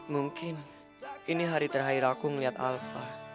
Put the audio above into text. mungkin ini hari terakhir aku melihat alva